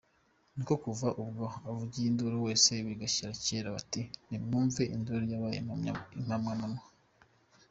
Nuko kuva ubwo, uvugije induru wese bigashyira kera, bati: «Nimwumve induru yabaye impomamunwa!».